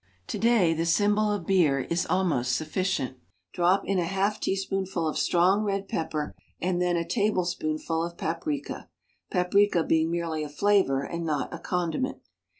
To day the symbol of beer is almost sufficient. Drop in a half teaspoonful of strong red pepper and then a tablespoonful of paprika, — paprika being merely a flavor and not a condiment.